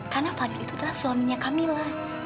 karena fadil itu adalah suaminya kamilah